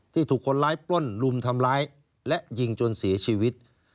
ถูกคนร้ายปล้นลุมทำร้ายและยิงจนเสียชีวิต